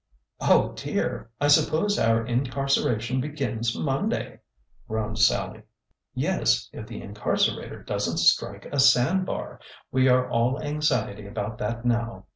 " Oh, dear! I suppose our incarceration begins Mon day !'' groaned Sallie. " Yes, if the incarcerator does n't strike a sand bar. We 12 ORDER NO. 11 are all anxiety about that now.